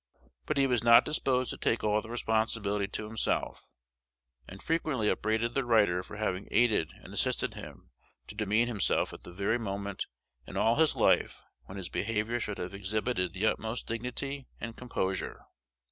But he was not disposed to take all the responsibility to himself, and frequently upbraided the writer for having aided and assisted him to demean himself at the very moment in all his life when his behavior should have exhibited the utmost dignity and composure.